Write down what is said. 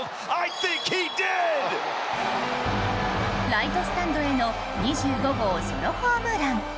ライトスタンドへの２５号ソロホームラン。